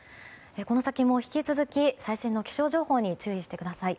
この先も引き続き最新の気象情報に注意してください。